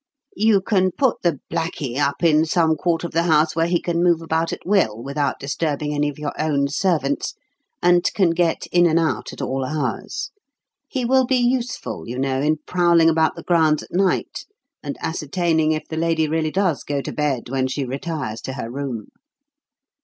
You can put the 'blackie' up in some quarter of the house where he can move about at will without disturbing any of your own servants, and can get in and out at all hours; he will be useful, you know, in prowling about the grounds at night and ascertaining if the lady really does go to bed when she retires to her room.